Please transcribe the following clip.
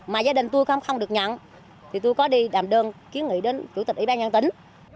mà gia đình tôi không được nhận thì tôi có đi làm đơn kiến nghị đến chủ tịch ủy ban nhân tỉnh